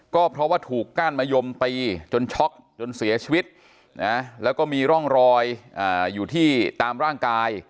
ก็เพราะว่าถูกก้านมะยมตีจนช็อกจนเสียชีวิตนะแล้วก็มีร่องรอยอยู่ที่ตามร่างกาย